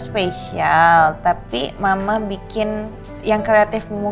pasti dia happy